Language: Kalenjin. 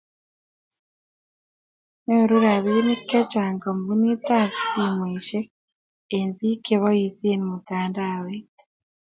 nyoru robinik chechang' kampunitab simesiek eng' biik che boisien mtandaoit